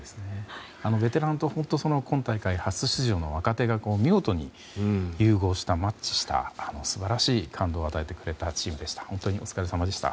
ベテランと今大会初出場の若手が見事に融合したマッチした素晴らしい感動を与えてくれたチームでした。